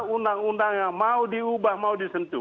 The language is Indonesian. delapan puluh dua undang undang yang mau diubah mau disentuh